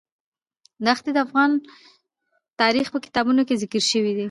ښتې د افغان تاریخ په کتابونو کې ذکر شوی دي.